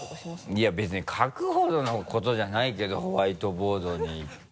いや別に書くほどのことじゃないけどホワイトボードに。